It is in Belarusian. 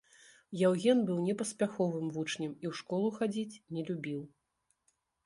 Яўген быў непаспяховым вучнем і ў школу хадзіць не любіў.